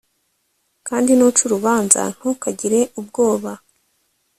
kandi nuca urubanza, ntukagire ubwoba